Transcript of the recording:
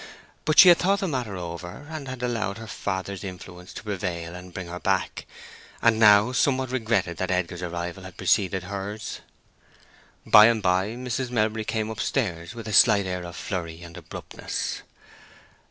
But she had thought the matter over, and had allowed her father's influence to prevail and bring her back; and now somewhat regretted that Edgar's arrival had preceded hers. By and by Mrs. Melbury came up stairs with a slight air of flurry and abruptness.